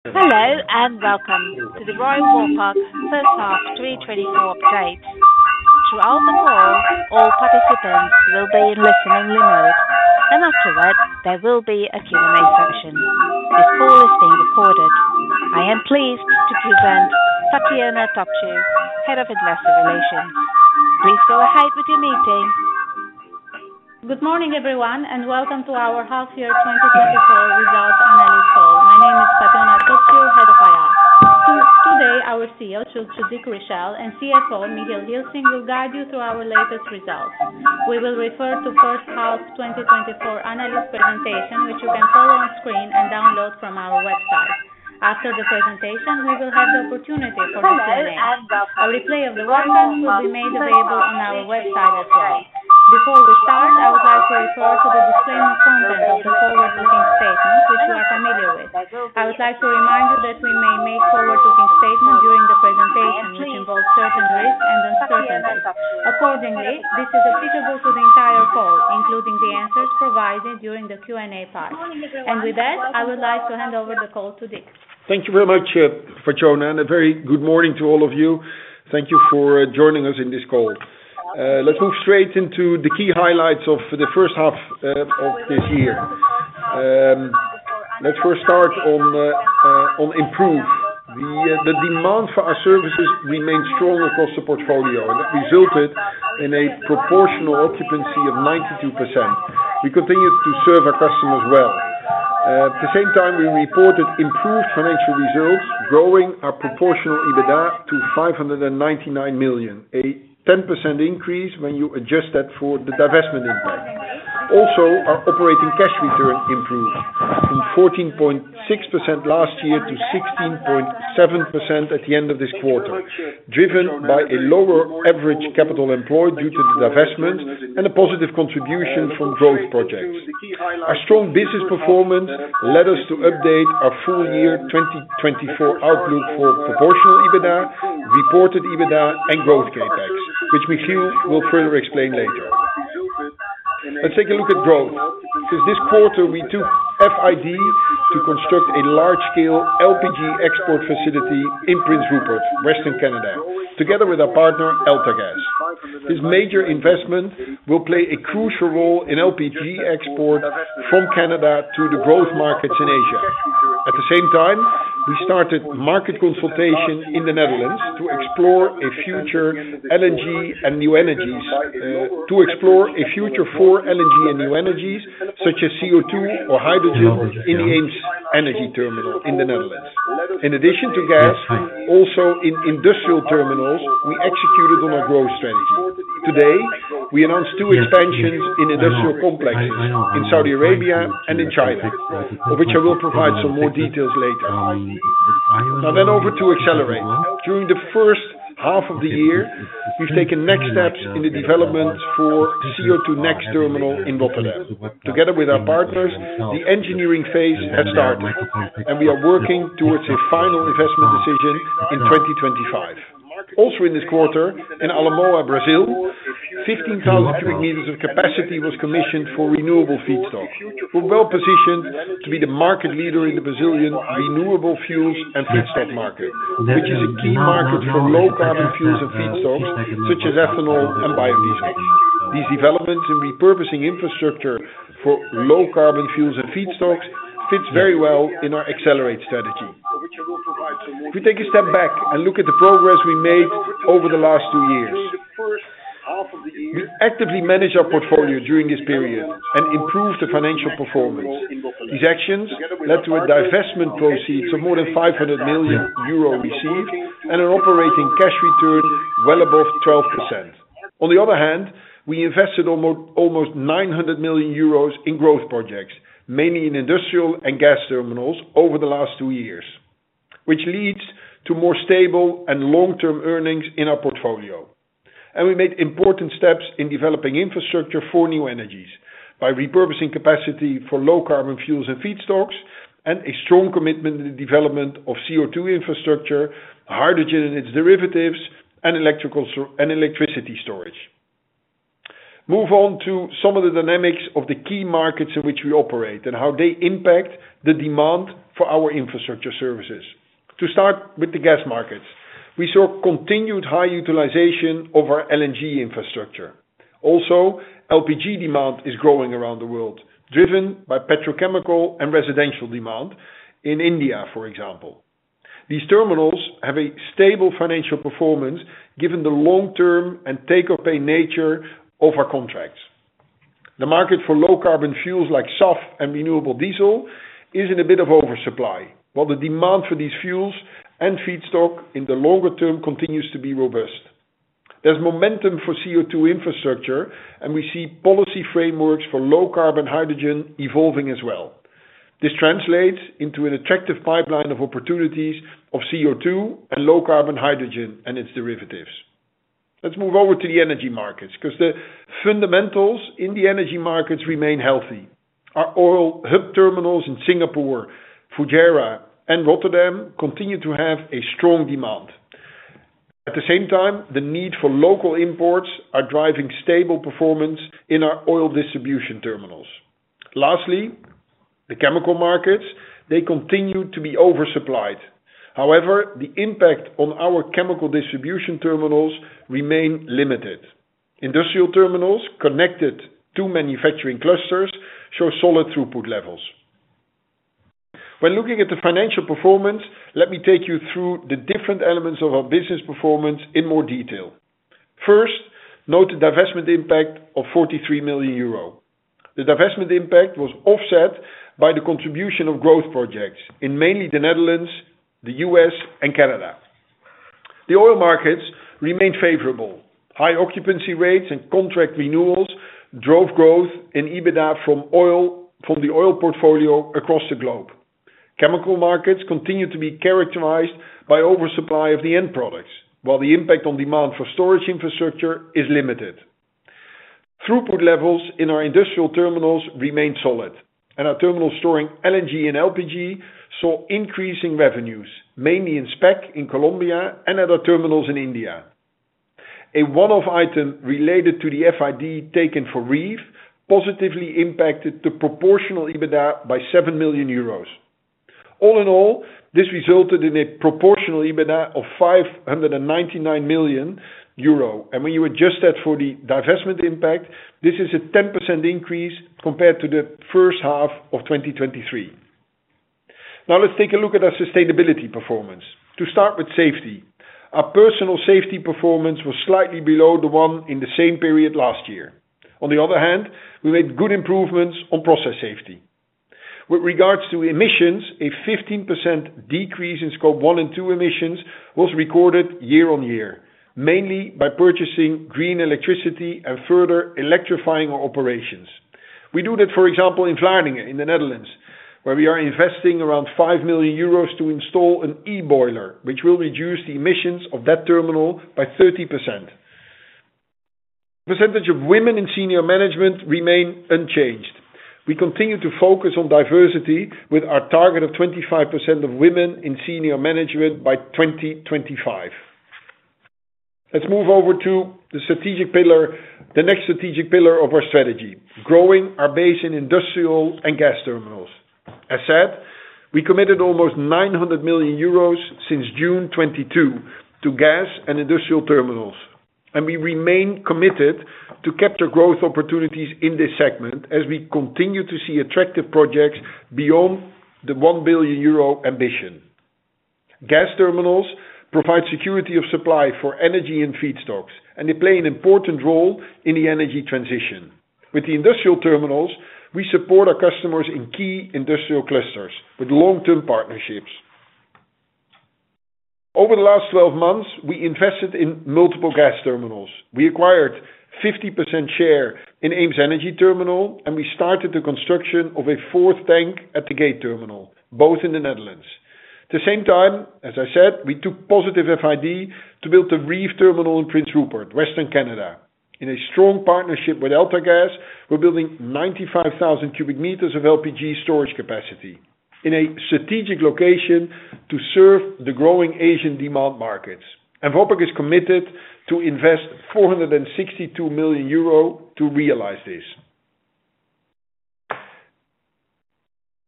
Hello, and welcome to the Royal Vopak first half 2024 update. Throughout the call, all participants will be in listening mode, and after that, there will be a Q&A session. This call is being recorded. I am pleased to present Fatjona Topciu, Head of Investor Relations. Please go ahead with your meeting. Good morning, everyone, and welcome to our Half Year 2024 Result Analyst Call. My name is Fatjona Topciu, Head of IR. Today, our CEO, Dick Richelle, and CFO, Michiel Gilsing, will guide you through our latest results. We will refer to first half's 2024 analyst presentation, which you can follow on screen and download from our website. After the presentation, we will have the opportunity for a Q&A. A replay of the webinar will be made available on our website as well. Before we start, I would like to refer to the disclaimer content of the forward-looking statements, which you are familiar with. I would like to remind you that we may make forward-looking statements during the presentation, which involve certain risks and uncertainties. Accordingly, this is applicable to the entire call, including the answers provided during the Q&A part. With that, I would like to hand over the call to Dick. Thank you very much, Fatjona, and a very good morning to all of you. Thank you for joining us in this call. Let's move straight into the key highlights of the first half of this year. The demand for our services remained strong across the portfolio, and that resulted in a proportional occupancy of 92%. We continued to serve our customers well. At the same time, we reported improved financial results, growing our proportional EBITDA to 599 million, a 10% increase when you adjust that for the divestment impact. Also, our operating cash return improved from 14.6% last year to 16.7% at the end of this quarter, driven by a lower average capital employed due to the divestment and a positive contribution from growth projects. Our strong business performance led us to update our full year 2024 outlook for proportional EBITDA, reported EBITDA and growth CapEx, which Michiel will further explain later. Let's take a look at growth. Since this quarter, we took FID to construct a large-scale LPG export facility in Prince Rupert, Western Canada, together with our partner, AltaGas. This major investment will play a crucial role in LPG export from Canada to the growth markets in Asia. At the same time, we started market consultation in the Netherlands to explore a future LNG and new energies. to explore a future for LNG and new energies such as CO2 or hydrogen in Eems Energy Terminal in the Netherlands. In addition to gas, also in industrial terminals, we executed on our growth strategy. Today, we announced two expansions in industrial complexes in Saudi Arabia and in China, of which I will provide some more details later. And then over to accelerate. During the first half of the year, we've taken next steps in the development for CO2next terminal in Rotterdam. Together with our partners, the engineering phase has started, and we are working towards a final investment decision in 2025. Also, in this quarter, in Alamoa, Brazil, 15,000 cubic meters of capacity was commissioned for renewable feedstock. We're well positioned to be the market leader in the Brazilian renewable fuels and feedstock market, which is a key market for low carbon fuels and feedstocks such as ethanol and biodiesel. These developments in repurposing infrastructure for low carbon fuels and feedstocks fits very well in our accelerate strategy. If we take a step back and look at the progress we made over the last two years, we actively managed our portfolio during this period and improved the financial performance. These actions led to a divestment proceeds of more than 500 million euro received and an operating cash return well above 12%. On the other hand, we invested almost 900 million euros in growth projects, mainly in industrial and gas terminals over the last two years, which leads to more stable and long-term earnings in our portfolio. We made important steps in developing infrastructure for new energies by repurposing capacity for low carbon fuels and feedstocks, and a strong commitment in the development of CO2 infrastructure, hydrogen and its derivatives, and electrical storage and electricity storage. Move on to some of the dynamics of the key markets in which we operate and how they impact the demand for our infrastructure services. To start with the gas markets, we saw continued high utilization of our LNG infrastructure. Also, LPG demand is growing around the world, driven by petrochemical and residential demand in India, for example. These terminals have a stable financial performance, given the long-term and take-or-pay nature of our contracts. The market for low carbon fuels like SAF and renewable diesel is in a bit of oversupply, while the demand for these fuels and feedstock in the longer term continues to be robust. There's momentum for CO2 infrastructure, and we see policy frameworks for low carbon hydrogen evolving as well. This translates into an attractive pipeline of opportunities of CO2 and low carbon hydrogen and its derivatives. Let's move over to the energy markets, 'cause the fundamentals in the energy markets remain healthy. Our oil hub terminals in Singapore, Fujairah, and Rotterdam continue to have a strong demand. At the same time, the need for local imports are driving stable performance in our oil distribution terminals. Lastly, the chemical markets, they continue to be oversupplied. However, the impact on our chemical distribution terminals remain limited. Industrial terminals connected to manufacturing clusters show solid throughput levels. When looking at the financial performance, let me take you through the different elements of our business performance in more detail. First, note the divestment impact of 43 million euro. The divestment impact was offset by the contribution of growth projects in mainly the Netherlands, the U.S., and Canada. The oil markets remained favorable. High occupancy rates and contract renewals drove growth in EBITDA from oil, from the oil portfolio across the globe. Chemical markets continue to be characterized by oversupply of the end products, while the impact on demand for storage infrastructure is limited. Throughput levels in our industrial terminals remain solid, and our terminal storing LNG and LPG saw increasing revenues, mainly in SPEC, in Colombia, and other terminals in India. A one-off item related to the FID taken for REEF positively impacted the proportional EBITDA by 7 million euros. All in all, this resulted in a proportional EBITDA of 599 million euro, and when you adjust that for the divestment impact, this is a 10% increase compared to the first half of 2023. Now, let's take a look at our sustainability performance. To start with safety, our personal safety performance was slightly below the one in the same period last year. On the other hand, we made good improvements on process safety. With regards to emissions, a 15% decrease in Scope 1 and 2 emissions was recorded year-on-year, mainly by purchasing green electricity and further electrifying our operations. We do that, for example, in Vlaardingen, in the Netherlands, where we are investing around 5 million euros to install an e-boiler, which will reduce the emissions of that terminal by 30%. Percentage of women in senior management remain unchanged. We continue to focus on diversity with our target of 25% of women in senior management by 2025. Let's move over to the strategic pillar, the next strategic pillar of our strategy, growing our base in industrial and gas terminals. As said, we committed almost 900 million euros since June 2022 to gas and industrial terminals, and we remain committed to capture growth opportunities in this segment as we continue to see attractive projects beyond the 1 billion euro ambition. Gas terminals provide security of supply for energy and feedstocks, and they play an important role in the energy transition. With the industrial terminals, we support our customers in key industrial clusters with long-term partnerships. Over the last 12 months, we invested in multiple gas terminals. We acquired 50% share in Eems Energy Terminal, and we started the construction of a fourth tank at the Gate Terminal, both in the Netherlands. At the same time, as I said, we took positive FID to build the REEF Terminal in Prince Rupert, Western Canada. In a strong partnership with AltaGas, we're building 95,000 cubic meters of LPG storage capacity in a strategic location to serve the growing Asian demand markets. And Vopak is committed to invest 462 million euro to realize this.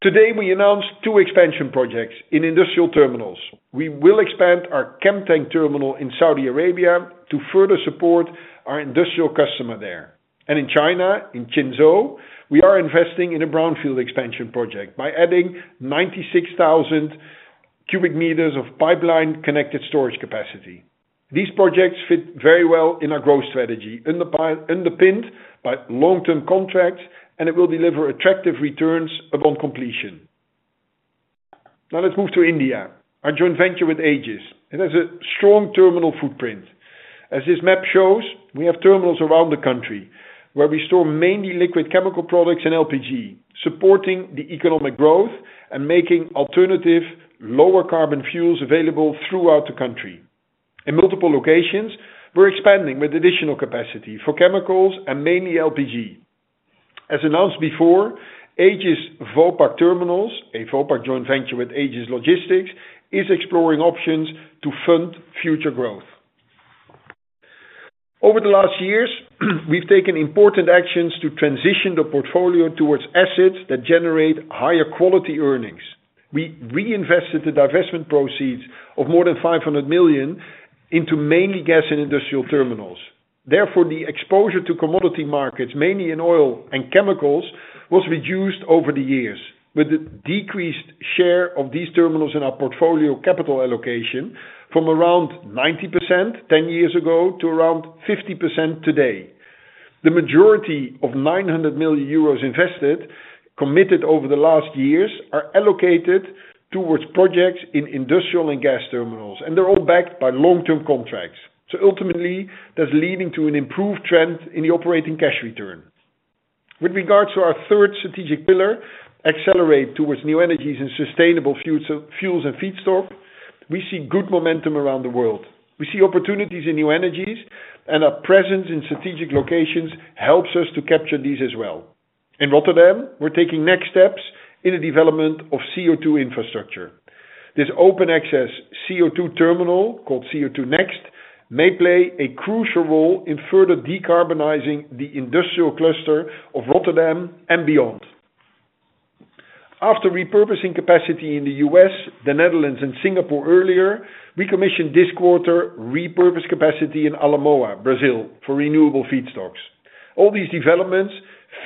Today, we announced 2 expansion projects in industrial terminals. We will expand our Chemtank terminal in Saudi Arabia to further support our industrial customer there. And in China, in Qinzhou, we are investing in a brownfield expansion project by adding 96,000 cubic meters of pipeline-connected storage capacity. These projects fit very well in our growth strategy, underpinned by long-term contracts, and it will deliver attractive returns upon completion. Now, let's move to India, our joint venture with Aegis. It has a strong terminal footprint. As this map shows, we have terminals around the country where we store mainly liquid chemical products and LPG, supporting the economic growth and making alternative, lower carbon fuels available throughout the country. In multiple locations, we're expanding with additional capacity for chemicals and mainly LPG. As announced before, Aegis Vopak Terminals, a Vopak joint venture with Aegis Logistics, is exploring options to fund future growth. Over the last years, we've taken important actions to transition the portfolio towards assets that generate higher quality earnings. We reinvested the divestment proceeds of more than 500 million into mainly gas and industrial terminals. Therefore, the exposure to commodity markets, mainly in oil and chemicals, was reduced over the years, with the decreased share of these terminals in our portfolio capital allocation from around 90% ten years ago to around 50% today. The majority of 900 million euros invested, committed over the last years, are allocated towards projects in industrial and gas terminals, and they're all backed by long-term contracts. So ultimately, that's leading to an improved trend in the operating cash return. With regards to our third strategic pillar, accelerate towards new energies and sustainable fuels and feed stock, we see good momentum around the world. We see opportunities in new energies, and our presence in strategic locations helps us to capture these as well. In Rotterdam, we're taking next steps in the development of CO2 infrastructure. This open access CO2 terminal, called CO2next, may play a crucial role in further decarbonizing the industrial cluster of Rotterdam and beyond. After repurposing capacity in the U.S., the Netherlands and Singapore earlier, we commissioned this quarter repurposed capacity in Alamoa, Brazil, for renewable feedstocks. All these developments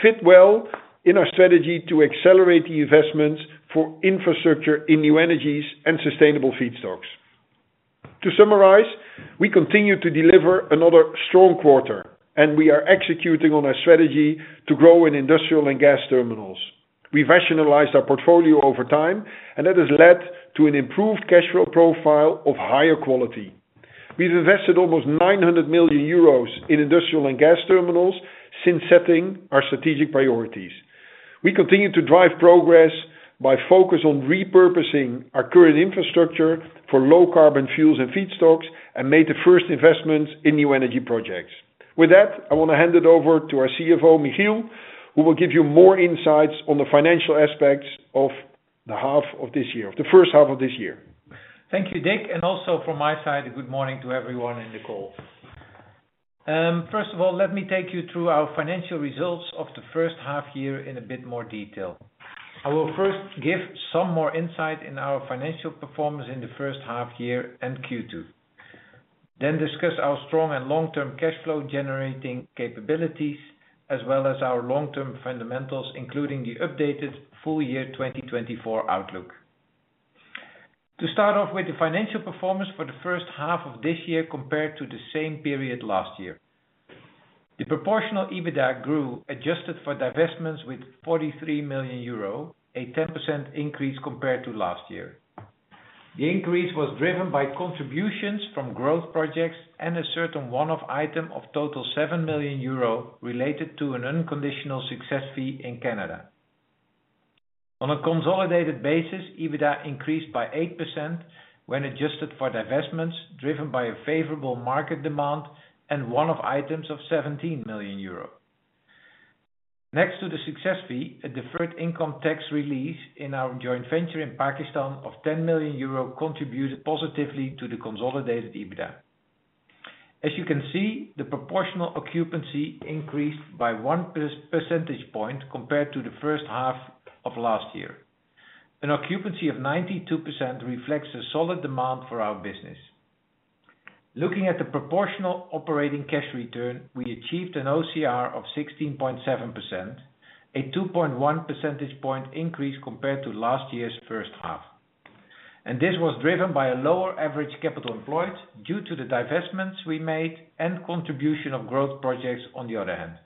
fit well in our strategy to accelerate the investments for infrastructure in new energies and sustainable feedstocks. To summarize, we continue to deliver another strong quarter, and we are executing on our strategy to grow in industrial and gas terminals. We've rationalized our portfolio over time, and that has led to an improved cash flow profile of higher quality. We've invested almost 900 million euros in industrial and gas terminals since setting our strategic priorities. We continue to drive progress by focus on repurposing our current infrastructure for low carbon fuels and feedstocks, and made the first investments in new energy projects. With that, I want to hand it over to our CFO, Michiel, who will give you more insights on the financial aspects of the half of this year, the first half of this year. Thank you, Dick, and also from my side, a good morning to everyone in the call. First of all, let me take you through our financial results of the first half year in a bit more detail. I will first give some more insight in our financial performance in the first half year and Q2, then discuss our strong and long-term cash flow generating capabilities, as well as our long-term fundamentals, including the updated full year 2024 outlook. To start off with the financial performance for the first half of this year compared to the same period last year. The proportional EBITDA grew, adjusted for divestments with 43 million euro, a 10% increase compared to last year. The increase was driven by contributions from growth projects and a certain one-off item of total 7 million euro related to an unconditional success fee in Canada. On a consolidated basis, EBITDA increased by 8% when adjusted for divestments, driven by a favorable market demand and one-off items of 17 million euro. Next to the success fee, a deferred income tax release in our joint venture in Pakistan of 10 million euro contributed positively to the consolidated EBITDA. As you can see, the proportional occupancy increased by 1 percentage point compared to the first half of last year. An occupancy of 92% reflects a solid demand for our business. Looking at the proportional operating cash return, we achieved an OCR of 16.7%, a 2.1 percentage point increase compared to last year's first half. This was driven by a lower average capital employed due to the divestments we made and contribution of growth projects on the other hand.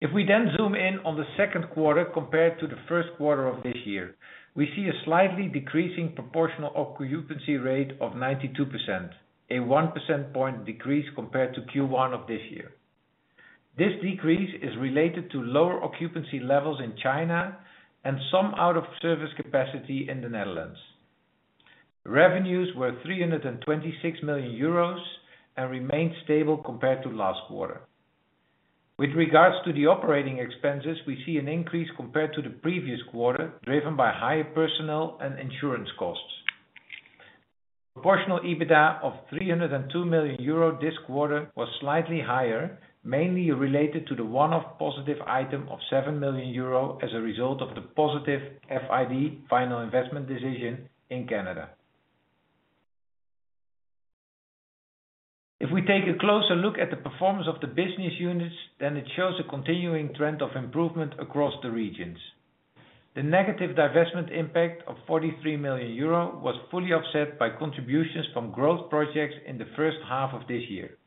If we then zoom in on the second quarter compared to the first quarter of this year, we see a slightly decreasing proportional occupancy rate of 92%, a one percentage point decrease compared to Q1 of this year. This decrease is related to lower occupancy levels in China and some out of service capacity in the Netherlands. Revenues were 326 million euros and remained stable compared to last quarter. With regards to the operating expenses, we see an increase compared to the previous quarter, driven by higher personnel and insurance costs. Proportional EBITDA of 302 million euro this quarter was slightly higher, mainly related to the one-off positive item of 7 million euro as a result of the positive FID, Final Investment Decision, in Canada. If we take a closer look at the performance of the business units, then it shows a continuing trend of improvement across the regions. The negative divestment impact of 43 million euro was fully offset by contributions from growth projects in the first half of this year.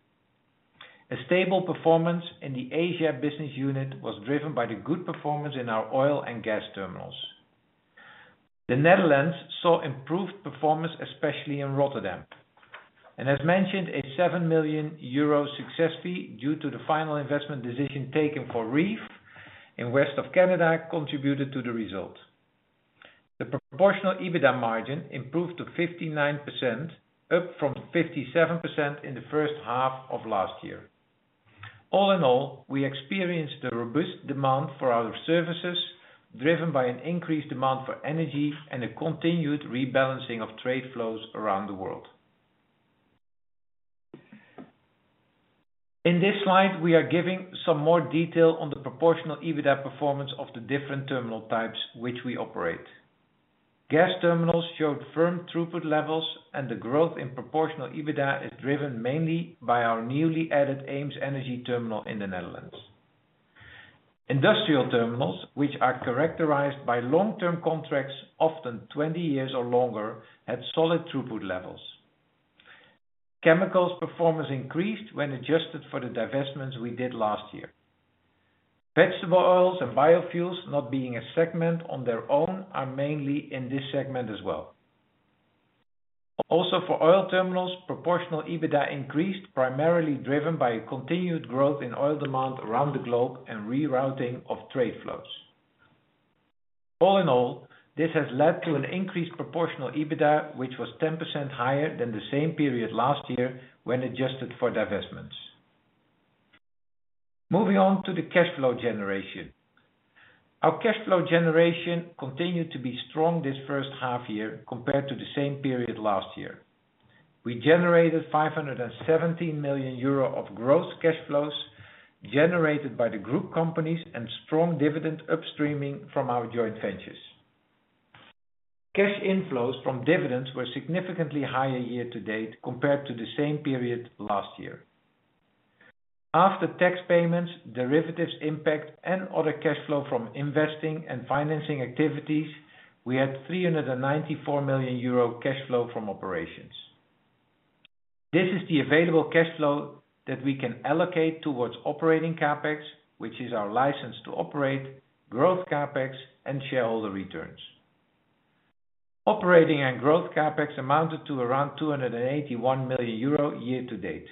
A stable performance in the Asia business unit was driven by the good performance in our oil and gas terminals. The Netherlands saw improved performance, especially in Rotterdam, and as mentioned, a 7 million euro success fee due to the final investment decision taken for REEF in west of Canada contributed to the result. The proportional EBITDA margin improved to 59%, up from 57% in the first half of last year. All in all, we experienced a robust demand for our services, driven by an increased demand for energy and a continued rebalancing of trade flows around the world. In this slide, we are giving some more detail on the proportional EBITDA performance of the different terminal types, which we operate. Gas terminals showed firm throughput levels, and the growth in proportional EBITDA is driven mainly by our newly added Eems Energy Terminal in the Netherlands. Industrial terminals, which are characterized by long-term contracts, often 20 years or longer, had solid throughput levels. Chemicals performance increased when adjusted for the divestments we did last year. Vegetable oils and biofuels, not being a segment on their own, are mainly in this segment as well. Also, for oil terminals, proportional EBITDA increased, primarily driven by a continued growth in oil demand around the globe and rerouting of trade flows. All in all, this has led to an increased proportional EBITDA, which was 10% higher than the same period last year when adjusted for divestments. Moving on to the cash flow generation. Our cash flow generation continued to be strong this first half year compared to the same period last year. We generated 517 million euro of gross cash flows, generated by the group companies and strong dividend upstreaming from our joint ventures. Cash inflows from dividends were significantly higher year to date, compared to the same period last year. After tax payments, derivatives impact, and other cash flow from investing and financing activities, we had 394 million euro cash flow from operations. This is the available cash flow that we can allocate towards operating CapEx, which is our license to operate, growth CapEx, and shareholder returns. Operating and growth CapEx amounted to around 281 million euro year to date.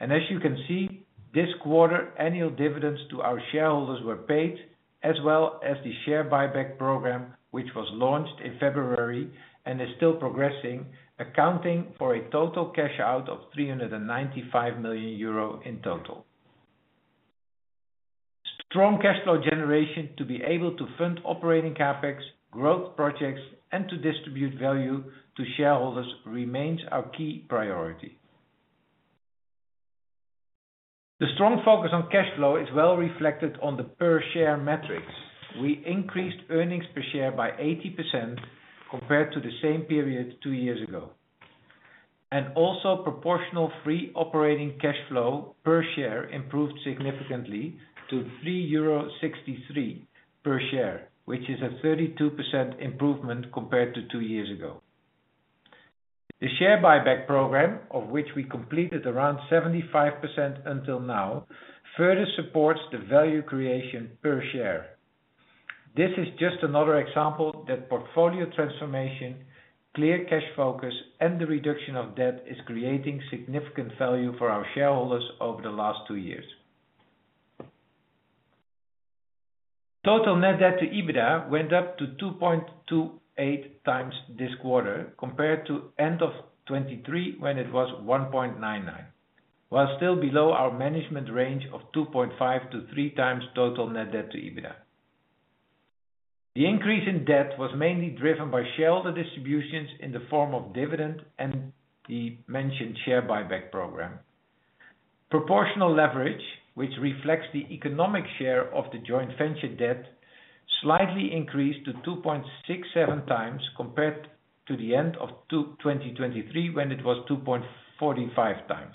As you can see, this quarter, annual dividends to our shareholders were paid, as well as the share buyback program, which was launched in February and is still progressing, accounting for a total cash out of 395 million euro in total. Strong cash flow generation to be able to fund operating CapEx, growth projects, and to distribute value to shareholders remains our key priority. The strong focus on cash flow is well reflected on the per share metrics. We increased earnings per share by 80% compared to the same period two years ago. And also proportional free operating cash flow per share improved significantly to 3.63 euro per share, which is a 32% improvement compared to two years ago. The share buyback program, of which we completed around 75% until now, further supports the value creation per share. This is just another example that portfolio transformation, clear cash focus, and the reduction of debt is creating significant value for our shareholders over the last two years. Total net debt to EBITDA went up to 2.28x this quarter, compared to end of 2023, when it was 1.99x, while still below our management range of 2.5x-3x total net debt to EBITDA. The increase in debt was mainly driven by shareholder distributions in the form of dividend and the mentioned share buyback program. Proportional leverage, which reflects the economic share of the joint venture debt, slightly increased to 2.67x compared to the end of 2, 2023, when it was 2.45x.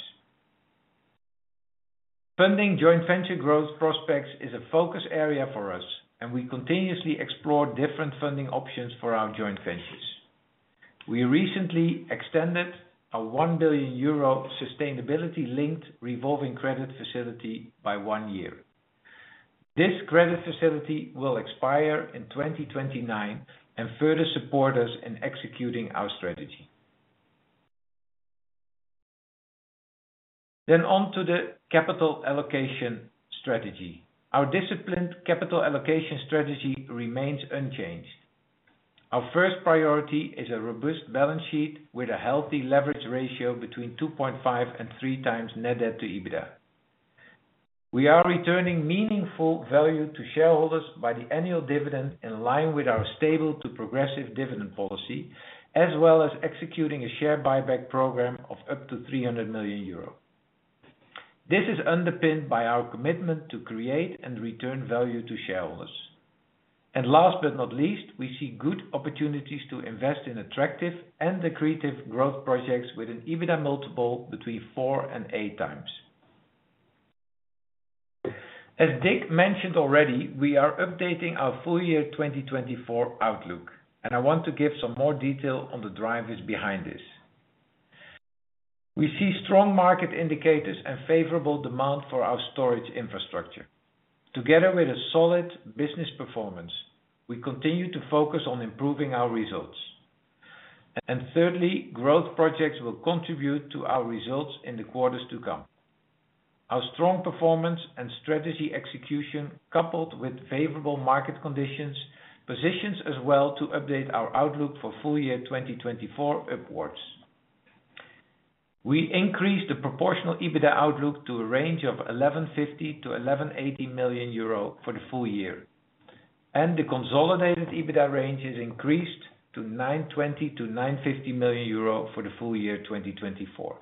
Funding joint venture growth prospects is a focus area for us, and we continuously explore different funding options for our joint ventures. We recently extended a 1 billion euro sustainability-linked revolving credit facility by one year. This credit facility will expire in 2029 and further support us in executing our strategy. On to the capital allocation strategy. Our disciplined capital allocation strategy remains unchanged. Our first priority is a robust balance sheet with a healthy leverage ratio between 2.5 and 3 times net debt to EBITDA. We are returning meaningful value to shareholders by the annual dividend, in line with our stable to progressive dividend policy, as well as executing a share buyback program of up to 300 million euro. This is underpinned by our commitment to create and return value to shareholders. Last but not least, we see good opportunities to invest in attractive and accretive growth projects with an EBITDA multiple between 4x and 8x. As Dick mentioned already, we are updating our full year 2024 outlook, and I want to give some more detail on the drivers behind this. We see strong market indicators and favorable demand for our storage infrastructure. Together with a solid business performance, we continue to focus on improving our results. And thirdly, growth projects will contribute to our results in the quarters to come. Our strong performance and strategy execution, coupled with favorable market conditions, positions us well to update our outlook for full year 2024 upwards. We increased the proportional EBITDA outlook to a range of 1,150 million-1,180 million euro for the full year, and the consolidated EBITDA range is increased to 920 million-950 million euro for the full year 2024.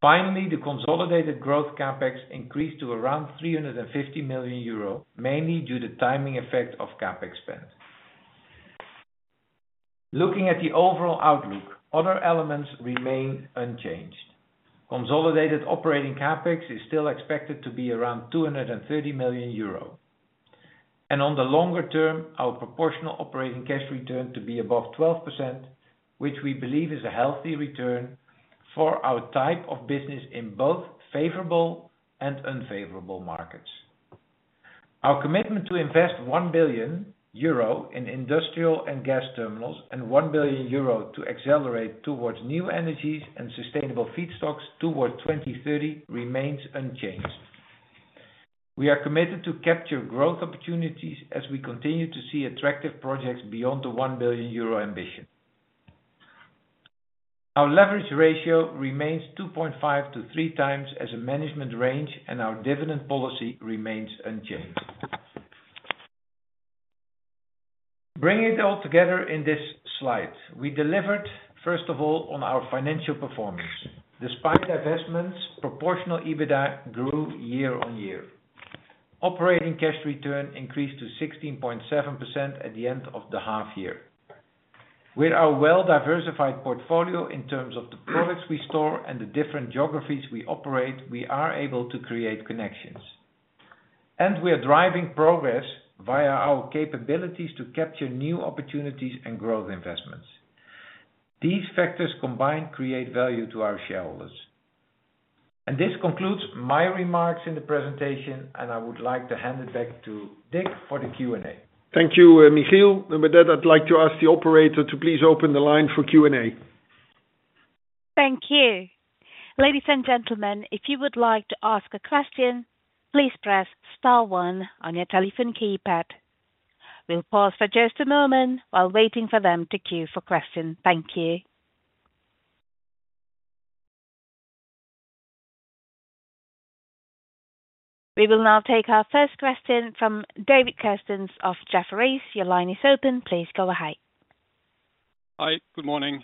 Finally, the consolidated growth CapEx increased to around 350 million euro, mainly due to timing effect of CapEx spend. Looking at the overall outlook, other elements remain unchanged. Consolidated operating CapEx is still expected to be around 230 million euro. On the longer term, our proportional operating cash return to be above 12%, which we believe is a healthy return for our type of business in both favorable and unfavorable markets. Our commitment to invest 1 billion euro in industrial and gas terminals and 1 billion euro to accelerate towards new energies and sustainable feedstocks toward 2030 remains unchanged. We are committed to capture growth opportunities as we continue to see attractive projects beyond the 1 billion euro ambition. Our leverage ratio remains 2.5-3 times as a management range, and our dividend policy remains unchanged. Bringing it all together in this slide, we delivered, first of all, on our financial performance. Despite investments, proportional EBITDA grew year-on-year. Operating cash return increased to 16.7% at the end of the half year. With our well-diversified portfolio in terms of the products we store and the different geographies we operate, we are able to create connections. And we are driving progress via our capabilities to capture new opportunities and growth investments. These factors combined create value to our shareholders. And this concludes my remarks in the presentation, and I would like to hand it back to Dick for the Q&A. Thank you, Michiel. With that, I'd like to ask the operator to please open the line for Q&A. Thank you. Ladies and gentlemen, if you would like to ask a question, please press star one on your telephone keypad. We'll pause for just a moment while waiting for them to queue for questions. Thank you. We will now take our first question from David Kerstens of Jefferies. Your line is open. Please go ahead. Hi, good morning,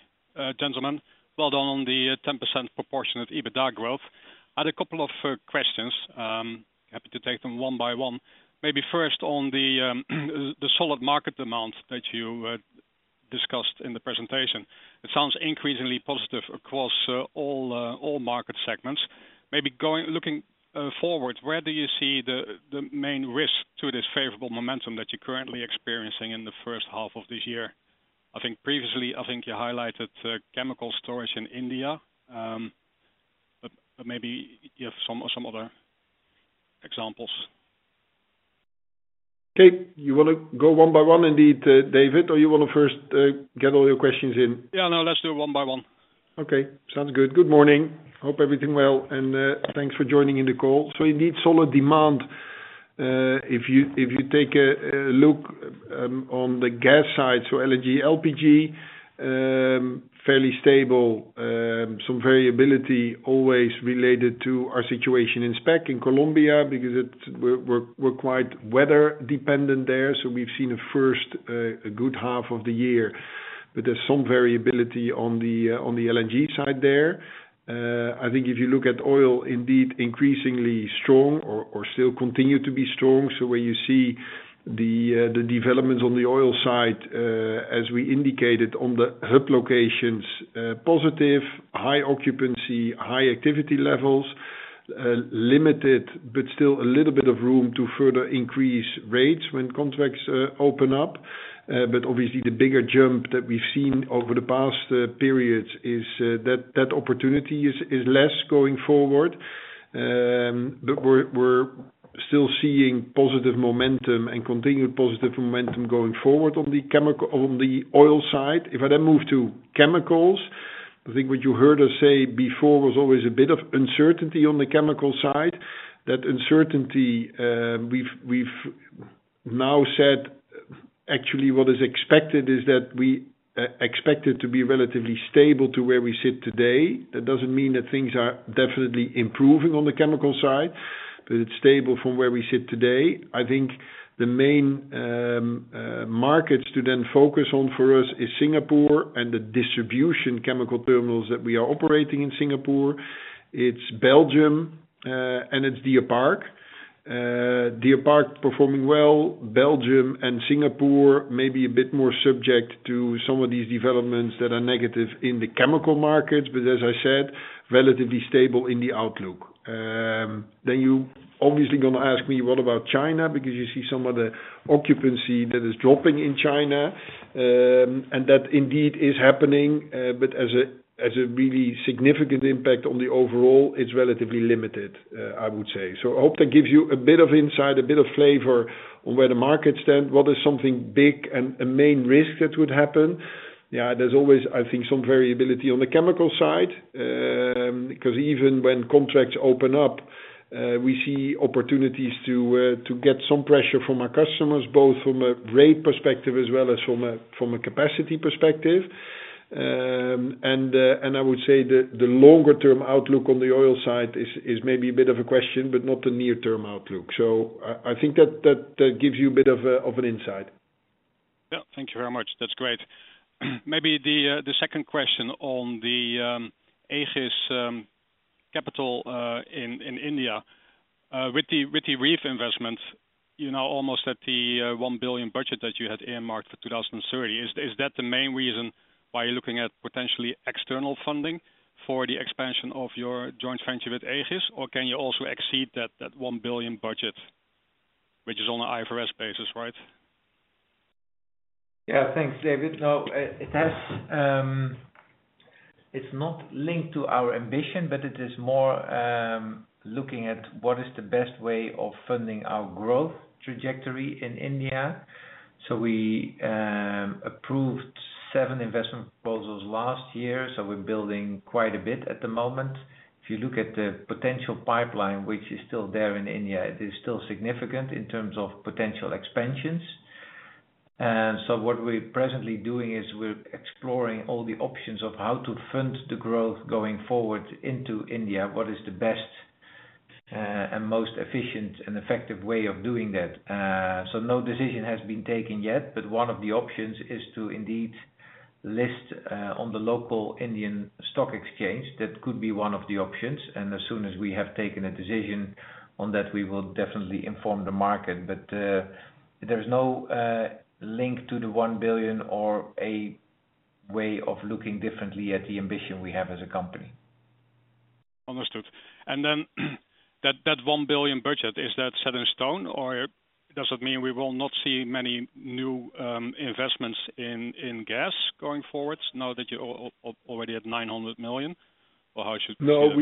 gentlemen. Well done on the 10% proportionate EBITDA growth. I had a couple of questions. Happy to take them one by one. Maybe first on the solid market demand that you discussed in the presentation. It sounds increasingly positive across all market segments. Maybe looking forward, where do you see the main risk to this favorable momentum that you're currently experiencing in the first half of this year? I think previously, I think you highlighted chemical storage in India, but maybe you have some other examples. Okay, you wanna go one by one indeed, David, or you wanna first, get all your questions in? Yeah, no, let's do it one by one. Okay, sounds good. Good morning. Hope everything well, and thanks for joining in the call. So indeed, solid demand. If you take a look on the gas side, so LNG, LPG, fairly stable, some variability always related to our situation in SPEC in Colombia because we're quite weather dependent there, so we've seen a good first half of the year. But there's some variability on the LNG side there. I think if you look at oil, indeed increasingly strong or still continue to be strong. So where you see the developments on the oil side, as we indicated on the hub locations, positive, high occupancy, high activity levels, limited, but still a little bit of room to further increase rates when contracts open up. But obviously, the bigger jump that we've seen over the past periods is that the opportunity is less going forward. But we're still seeing positive momentum and continued positive momentum going forward on the oil side. If I then move to chemicals, I think what you heard us say before was always a bit of uncertainty on the chemical side. That uncertainty, we've now said actually what is expected is that we expect it to be relatively stable to where we sit today. That doesn't mean that things are definitely improving on the chemical side, but it's stable from where we sit today. I think the main markets to then focus on for us is Singapore and the distribution chemical terminals that we are operating in Singapore. It's Belgium, and it's Deer Park. Deer Park performing well, Belgium and Singapore may be a bit more subject to some of these developments that are negative in the chemical markets, but as I said, relatively stable in the outlook. Then you obviously gonna ask me: What about China? Because you see some of the occupancy that is dropping in China, and that indeed is happening, but as a really significant impact on the overall, it's relatively limited, I would say. So I hope that gives you a bit of insight, a bit of flavor on where the markets stand. What is something big and a main risk that would happen? Yeah, there's always, I think, some variability on the chemical side, because even when contracts open up, we see opportunities to, to get some pressure from our customers, both from a rate perspective as well as from a, from a capacity perspective. And, and I would say that the longer term outlook on the oil side is, is maybe a bit of a question, but not the near-term outlook. So I, I think that, that, that gives you a bit of a, of an insight. Yeah, thank you very much. That's great. Maybe the second question on the Aegis capital in India. With the RIF investment, you're now almost at the 1 billion budget that you had earmarked for 2030. Is that the main reason why you're looking at potentially external funding for the expansion of your joint venture with Aegis? Or can you also exceed that 1 billion budget, which is on an IFRS basis, right? Yeah, thanks, David. No, it has, it's not linked to our ambition, but it is more looking at what is the best way of funding our growth trajectory in India. So we approved seven investment proposals last year, so we're building quite a bit at the moment. If you look at the potential pipeline, which is still there in India, it is still significant in terms of potential expansions. And so what we're presently doing is we're exploring all the options of how to fund the growth going forward into India. What is the best and most efficient and effective way of doing that? So no decision has been taken yet, but one of the options is to indeed list on the local Indian stock exchange. That could be one of the options, and as soon as we have taken a decision on that, we will definitely inform the market. But, there's no link to the 1 billion or a way of looking differently at the ambition we have as a company. Understood. And then that one billion budget, is that set in stone, or does it mean we will not see many new investments in gas going forward now that you're already at 900 million? Or how should- No,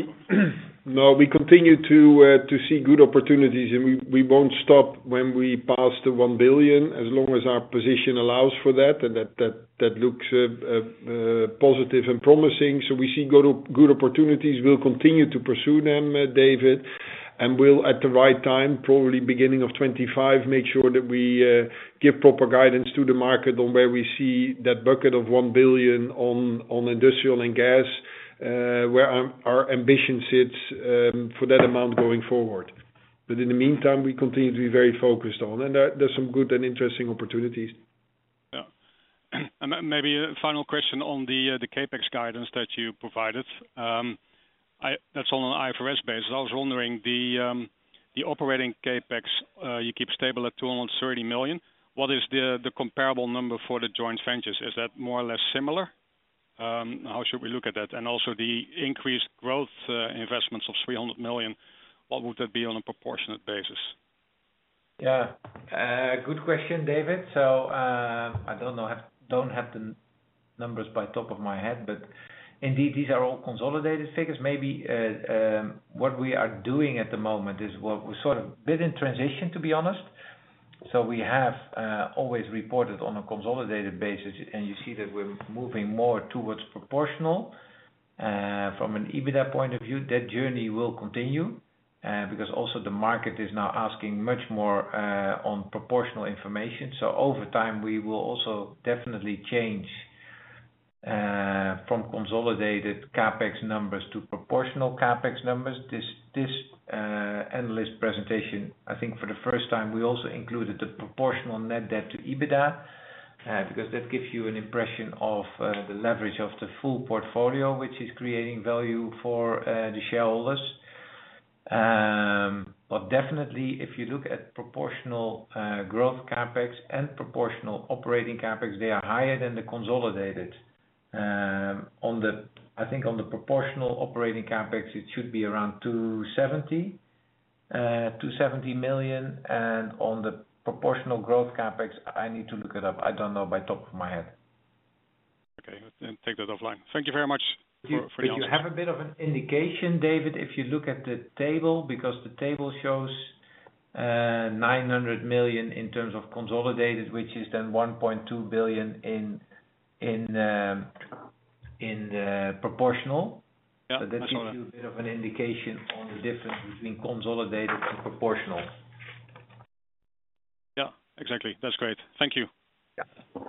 no, we continue to see good opportunities, and we won't stop when we pass the 1 billion, as long as our position allows for that, and that looks positive and promising. So we see good opportunities. We'll continue to pursue them, David, and we'll, at the right time, probably beginning of 2025, make sure that we give proper guidance to the market on where we see that bucket of 1 billion on industrial and gas, where our ambition sits for that amount going forward. But in the meantime, we continue to be very focused on, and there's some good and interesting opportunities. Yeah. And maybe a final question on the CapEx guidance that you provided. That's on an IFRS basis. I was wondering, the operating CapEx you keep stable at 230 million. What is the comparable number for the joint ventures? Is that more or less similar? How should we look at that? And also, the increased growth investments of 300 million, what would that be on a proportionate basis? Yeah. Good question, David. So, I don't know, I don't have the numbers off the top of my head, but indeed, these are all consolidated figures. Maybe what we are doing at the moment is, well, we're sort of a bit in transition, to be honest. So we have always reported on a consolidated basis, and you see that we're moving more towards proportional. From an EBITDA point of view, that journey will continue, because also the market is now asking much more on proportional information. So over time, we will also definitely change from consolidated CapEx numbers to proportional CapEx numbers. This analyst presentation, I think for the first time, we also included the proportional net debt to EBITDA, because that gives you an impression of, the leverage of the full portfolio, which is creating value for, the shareholders. But definitely, if you look at proportional, growth CapEx and proportional operating CapEx, they are higher than the consolidated. On the... I think on the proportional operating CapEx, it should be around 270 million, and on the proportional growth CapEx, I need to look it up. I don't know off the top of my head. Okay, let's then take that offline. Thank you very much for, for the answers. You have a bit of an indication, David, if you look at the table, because the table shows 900 million in terms of consolidated, which is then 1.2 billion in the proportional. Yeah, that's all right. That gives you a bit of an indication on the difference between consolidated and proportional. Yeah, exactly. That's great. Thank you. Yeah.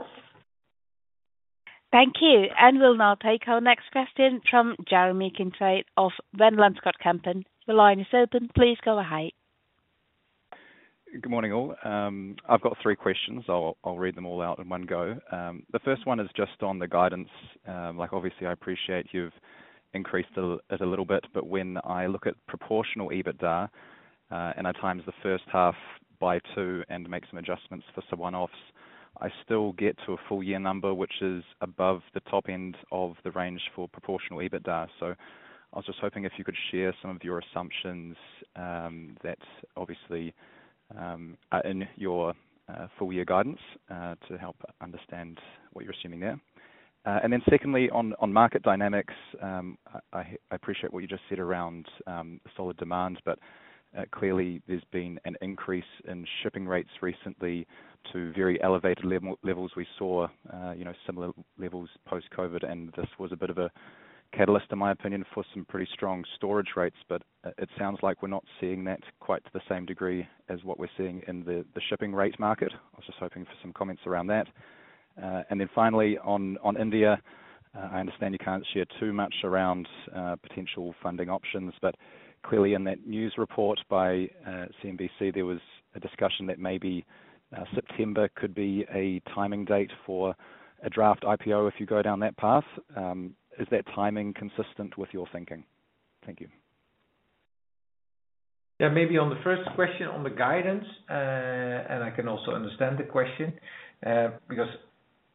Thank you, and we'll now take our next question from Jeremy Kincaid of Van Lanschot Kempen. The line is open. Please go ahead. Good morning, all. I've got 3 questions. I'll read them all out in one go. The first one is just on the guidance. Like, obviously, I appreciate you've increased it a little bit, but when I look at proportional EBITDA, and I times the first half by two and make some adjustments for some one-offs, I still get to a full year number, which is above the top end of the range for proportional EBITDA. So I was just hoping if you could share some of your assumptions, that's obviously in your full year guidance, to help understand what you're assuming there. And then secondly, on market dynamics, I appreciate what you just said around solid demand, but clearly there's been an increase in shipping rates recently to very elevated levels. We saw, you know, similar levels post-COVID, and this was a bit of a catalyst, in my opinion, for some pretty strong storage rates. But, it sounds like we're not seeing that quite to the same degree as what we're seeing in the shipping rate market. I was just hoping for some comments around that. And then finally, on India, I understand you can't share too much around potential funding options, but clearly in that news report by CNBC, there was a discussion that maybe September could be a timing date for a draft IPO if you go down that path. Is that timing consistent with your thinking? Thank you. Yeah, maybe on the first question, on the guidance, and I can also understand the question, because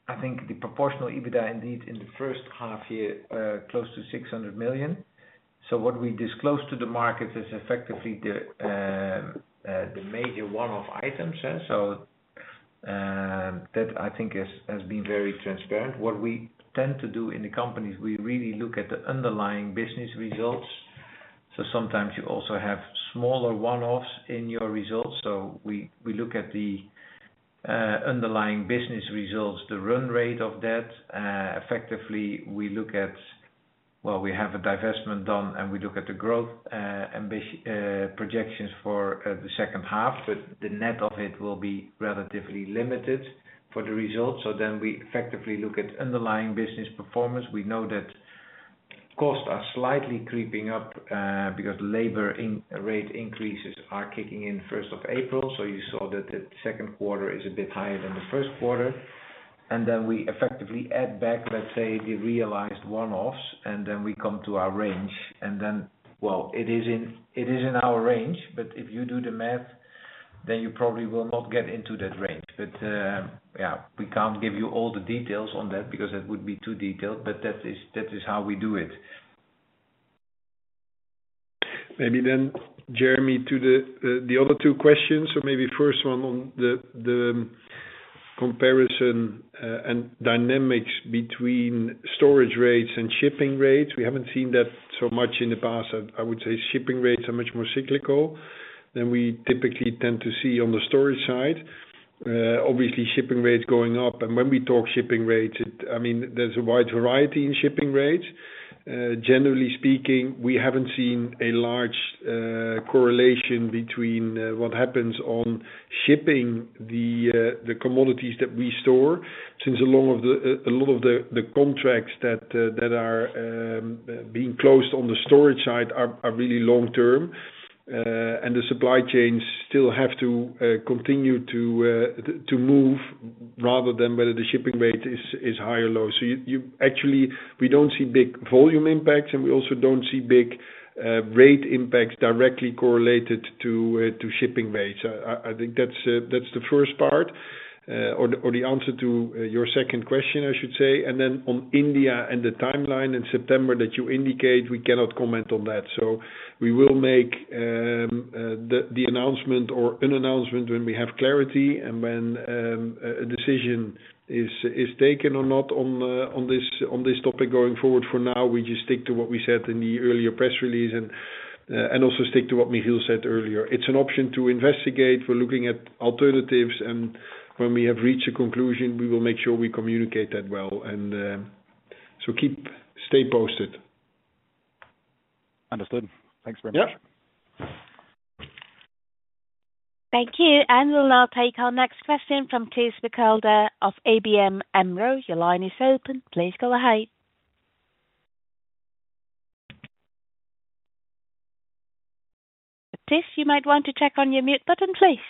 I think the proportional EBITDA indeed in the first half year, close to 600 million. So what we disclosed to the market is effectively the major one-off items, yeah? So, that I think has been very transparent. What we tend to do in the company is we really look at the underlying business results. So sometimes you also have smaller one-offs in your results. So we look at the underlying business results, the run rate of that. Effectively, we look at. Well, we have a divestment done, and we look at the growth ambitious projections for the second half, but the net of it will be relatively limited for the results. So then we effectively look at underlying business performance. We know that costs are slightly creeping up, because labor rate increases are kicking in first of April. So you saw that the second quarter is a bit higher than the first quarter, and then we effectively add back, let's say, the realized one-offs, and then we come to our range. And then, well, it is in, it is in our range, but if you do the math, then you probably will not get into that range. But, yeah, we can't give you all the details on that because that would be too detailed, but that is, that is how we do it. Maybe then, Jeremy, to the other two questions, so maybe first one on the comparison and dynamics between storage rates and shipping rates. We haven't seen that so much in the past. I would say shipping rates are much more cyclical than we typically tend to see on the storage side. Obviously, shipping rates going up, and when we talk shipping rates, it... I mean, there's a wide variety in shipping rates. Generally speaking, we haven't seen a large correlation between what happens on shipping the commodities that we store, since a lot of the contracts that are being closed on the storage side are really long term. And the supply chains still have to continue to move rather than whether the shipping rate is high or low. So you actually, we don't see big volume impacts, and we also don't see big rate impacts directly correlated to shipping rates. I think that's the first part, or the answer to your second question, I should say. And then on India and the timeline in September that you indicate, we cannot comment on that. So we will make the announcement or an announcement when we have clarity and when a decision is taken or not on this topic going forward. For now, we just stick to what we said in the earlier press release and, and also stick to what Michiel said earlier. It's an option to investigate. We're looking at alternatives, and when we have reached a conclusion, we will make sure we communicate that well and, so keep... Stay posted. Understood. Thanks very much. Yeah. Thank you, and we'll now take our next question from Thijs Berkelder of ABN AMRO. Your line is open. Please go ahead. Thijs, you might want to check on your mute button, please.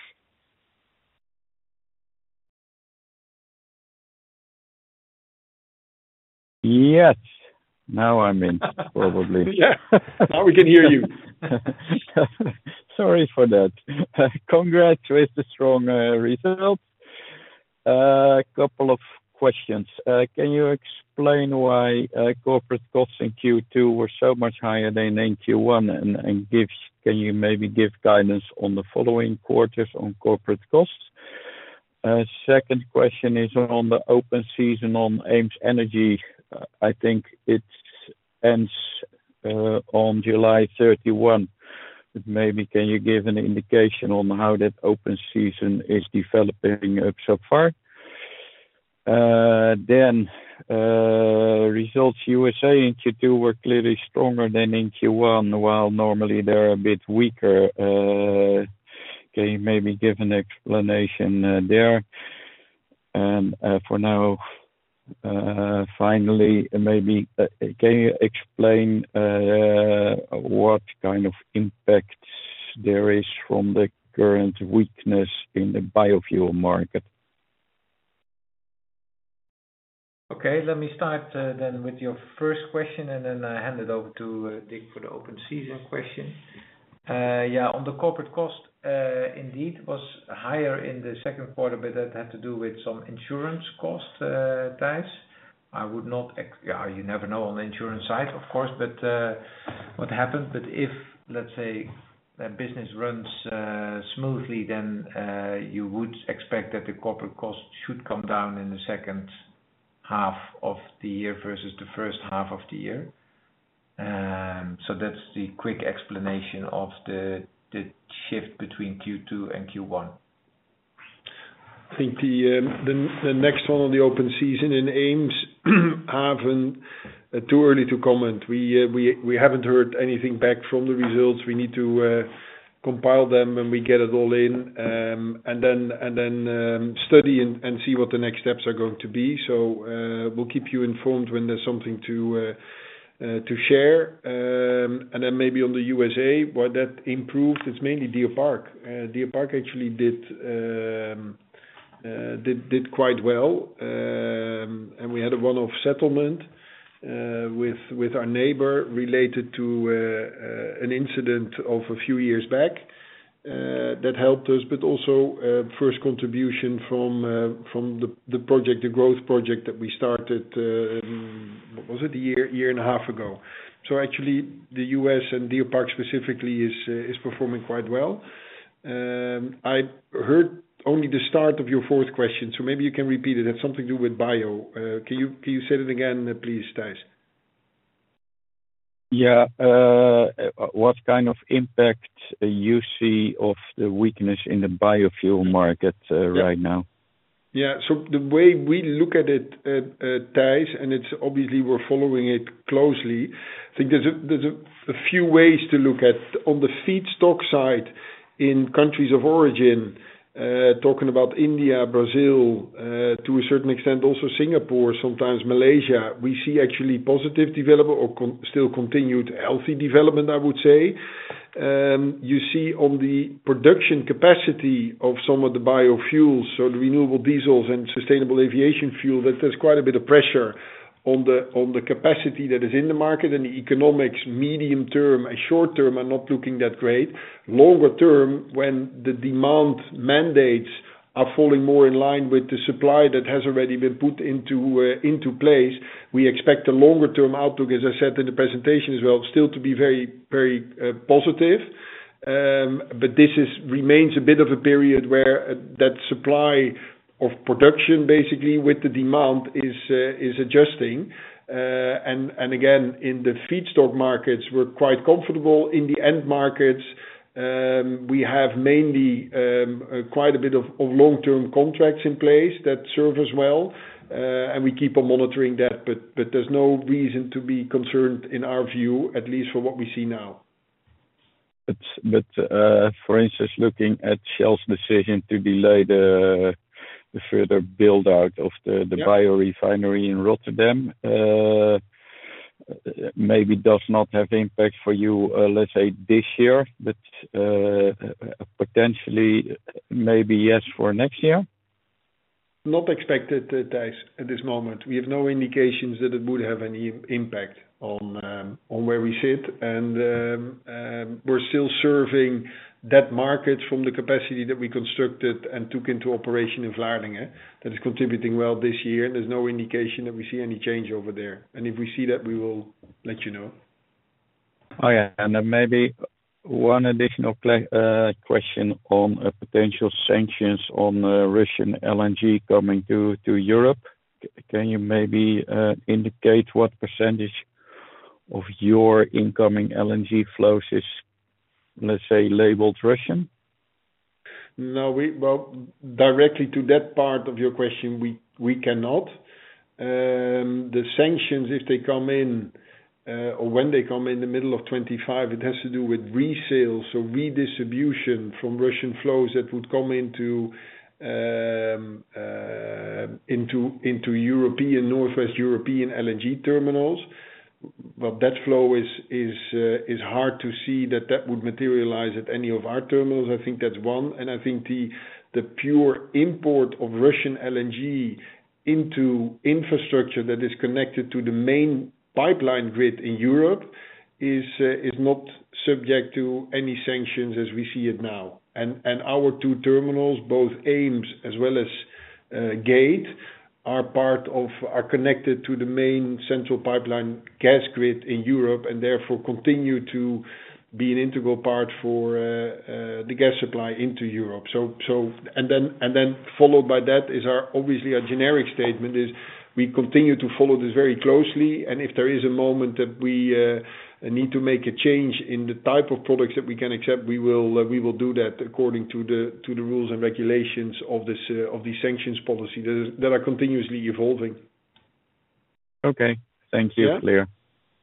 Yes, now I'm in, probably. Yeah, now we can hear you. Sorry for that. Congrats with the strong result. Couple of questions. Can you explain why corporate costs in Q2 were so much higher than in Q1, and can you maybe give guidance on the following quarters on corporate costs? Second question is on the open season on Eems Energy. I think it ends on July 31, but maybe can you give an indication on how that open season is developing so far? Then, results U.S.A. in Q2 were clearly stronger than in Q1, while normally they're a bit weaker. Can you maybe give an explanation there? For now, finally, maybe can you explain what kind of impact there is from the current weakness in the biofuel market? Okay, let me start then with your first question, and then I hand it over to Dick for the open season question. Yeah, on the corporate cost, indeed, it was higher in the second quarter, but that had to do with some insurance costs, Thijs. I would not, you never know on the insurance side, of course, but what happened, but if, let's say, a business runs smoothly, then you would expect that the corporate cost should come down in the second half of the year versus the first half of the year. So that's the quick explanation of the shift between Q2 and Q1. I think the next one on the open season in Eems, haven't... Too early to comment. We haven't heard anything back from the results. We need to compile them, and we get it all in, and then study and see what the next steps are going to be. So, we'll keep you informed when there's something to share. And then maybe on the U.S.A., where that improved, it's mainly Deer Park. Deer Park actually did quite well. And we had a one-off settlement with our neighbor related to an incident of a few years back that helped us, but also first contribution from the project, the growth project that we started, what was it? A year, year and a half ago. So actually, the U.S. and Deer Park specifically is, is performing quite well. I heard only the start of your fourth question, so maybe you can repeat it. It had something to do with bio. Can you, can you say it again, please, Thijs? Yeah, what kind of impact you see of the weakness in the biofuel market, right now?... Yeah, so the way we look at it, Tice, and it's obviously we're following it closely, I think there's a few ways to look at. On the feedstock side, in countries of origin, talking about India, Brazil, to a certain extent also Singapore, sometimes Malaysia, we see actually positive development or still continued healthy development, I would say. You see on the production capacity of some of the biofuels, so the renewable diesels and sustainable aviation fuel, that there's quite a bit of pressure on the capacity that is in the market, and the economics medium term and short term are not looking that great. Longer term, when the demand mandates are falling more in line with the supply that has already been put into place, we expect the longer term outlook, as I said in the presentation as well, still to be very, very positive. But this remains a bit of a period where that supply of production, basically, with the demand is adjusting. And again, in the feedstock markets, we're quite comfortable. In the end markets, we have mainly quite a bit of long-term contracts in place that serve us well, and we keep on monitoring that, but there's no reason to be concerned in our view, at least from what we see now. But, for instance, looking at Shell's decision to delay the further build out of the- Yeah... the biorefinery in Rotterdam, maybe does not have impact for you, let's say, this year, but, potentially, maybe yes, for next year? Not expected, Tice, at this moment. We have no indications that it would have any impact on where we sit, and we're still serving that market from the capacity that we constructed and took into operation in Vlaardingen. That is contributing well this year, and there's no indication that we see any change over there, and if we see that, we will let you know. Oh, yeah, and then maybe one additional question on potential sanctions on Russian LNG coming to Europe. Can you maybe indicate what percentage of your incoming LNG flows is, let's say, labeled Russian? No, we—well, directly to that part of your question, we cannot. The sanctions, if they come in, or when they come in the middle of 2025, it has to do with resale, so redistribution from Russian flows that would come into European, Northwest European LNG terminals. But that flow is hard to see that that would materialize at any of our terminals, I think that's one. And I think the pure import of Russian LNG into infrastructure that is connected to the main pipeline grid in Europe is not subject to any sanctions as we see it now. And our two terminals, both Eems as well as Gate, are part of... are connected to the main central pipeline gas grid in Europe, and therefore continue to be an integral part for the gas supply into Europe. So, and then followed by that is our, obviously our generic statement is we continue to follow this very closely, and if there is a moment that we need to make a change in the type of products that we can accept, we will do that according to the rules and regulations of this of the sanctions policy that is that are continuously evolving. Okay. Thank you. Yeah. Clear.